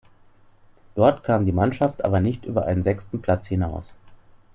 Dort kam die Mannschaft aber nicht über einen sechsten Platz hinaus.